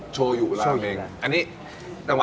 ใช่ครับ